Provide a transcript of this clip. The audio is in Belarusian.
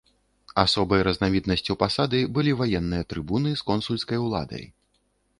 Асобай разнавіднасцю пасады былі ваенныя трыбуны з консульскай уладай.